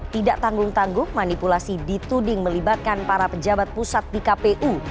tidak tanggung tanggung manipulasi dituding melibatkan para pejabat pusat di kpu